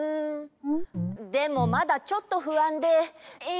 でもまだちょっとふあんで。え！